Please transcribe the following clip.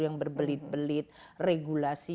yang berbelit belit regulasi